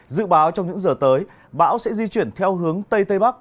dự báo trong những giờ tới bão sẽ di chuyển theo hướng tây tây bắc